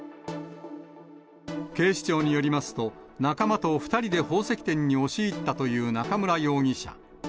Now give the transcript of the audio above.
警視庁によりますと、仲間と２人で宝石店に押し入ったという中村容疑者。